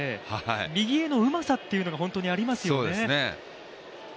右へのうまさというのが本当にありますよね。